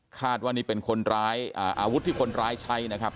คาดว่านี่เป็นคนร้ายอาวุธที่คนร้ายใช้นะครับ